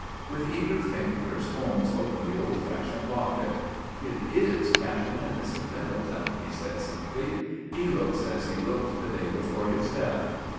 With eager fingers Holmes opened the old fashioned locket. "It is Captain and Mrs. Pendelton," he said, simply. "He looks as he looked the day before his death."